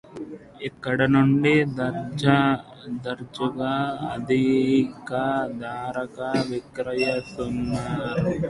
ఇక్కడి నుండి దర్జాగా అధిక ధరకు విక్రయిస్తున్నారు